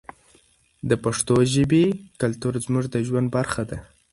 د پښتو ژبې کلتور زموږ د ژوند برخه ده.